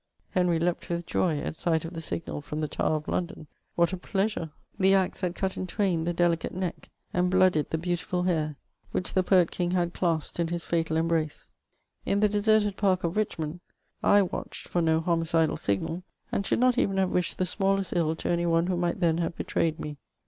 Henry leaped with joy at sight of the signal from the Tower of London. What a pleasure ! The * S&Q DmMsdaxf Book, CHATEAUBRIAND. 437 axe had cut in twain the delicate neck, and hloodied the beautiful haxr^ which the poet king had clasped in his £&tal embrace. In the deserted park of Richmond, /watched for no homicidal signal, and should not even have wished the smallest ill to any one who might then have betrayed me.